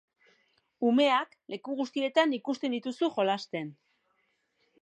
Umeak leku guztietan ikusten dituzu jolasten.